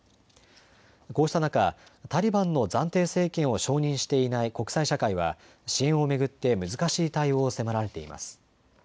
こうした中、タリバンの暫定政権を承認していない国際社会は支援を巡って難しい対応を迫られています。